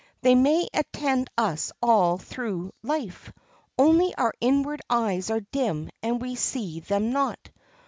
They may attend us all through life, only our inward eyes are dim and we see them not.